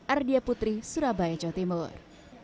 ardia putri surabaya jawa timur